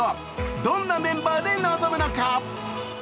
どんなメンバーで臨むのか。